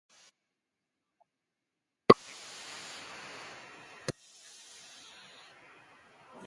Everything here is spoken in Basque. Misiolarien kontakizunak horri buruzko xehetasunez beteak daude.